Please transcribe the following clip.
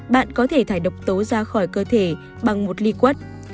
bạn có thể thải độc tố ra khỏi cơ thể bằng một ly quất